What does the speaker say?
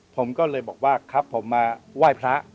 ผมก็เลยบอกว่าครับผมมาไหว้พระ